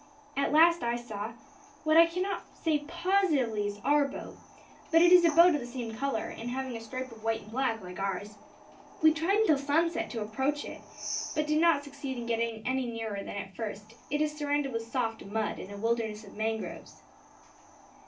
At last I saw, what I cannot say positively is our boat, but it is a boat of the same colour, and having a stripe of white and black, like ours. We tried until sunset to approach it, but did not succeed in getting any nearer than at first; it is surrounded with soft mud, and a wilderness of mangroves."